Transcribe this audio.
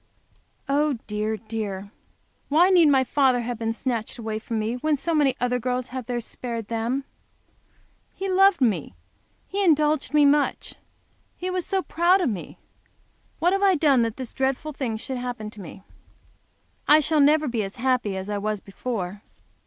Oh, dear, dear! Why need my father have been snatched away from me, when so many other girls have theirs spared to them? He loved me so! He indulged me so much! He was so proud of me! What have I done that I should have this dreadful thing happen to me? I shall never be as happy as I was before.